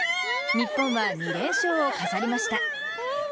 日本は２連勝を飾りました。